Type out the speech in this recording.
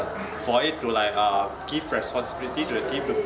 untuk memberikan tanggung jawab kepada tim untuk berkembang